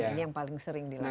ini yang paling sering dilakukan